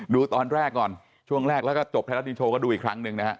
ดูตอนแรกก่อนช่วงแรกแล้วก็จบไทยรัฐนิวโชว์ก็ดูอีกครั้งหนึ่งนะฮะ